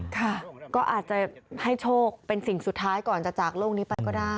ค่ะก็อาจจะให้โชคเป็นสิ่งสุดท้ายก่อนจะจากโลกนี้ไปก็ได้